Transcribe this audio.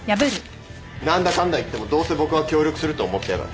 何だかんだ言ってもどうせ僕は協力すると思ってやがる。